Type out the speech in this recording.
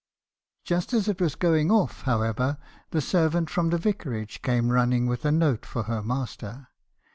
Just as it was going off, how ever, the servant from the vicarage came running with a note for her master.